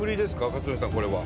克典さんこれは。